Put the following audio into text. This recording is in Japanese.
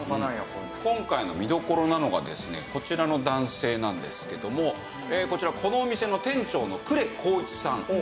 今回の見どころなのがですねこちらの男性なんですけどもこちらこのお店の店長の呉幸壱さん